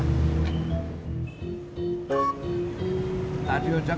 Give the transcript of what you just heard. tadi ojak nyari kerjaan